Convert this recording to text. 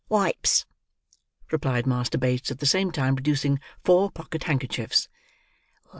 "Wipes," replied Master Bates; at the same time producing four pocket handkerchiefs.